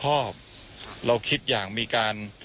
คุณทัศนาควดทองเลยค่ะ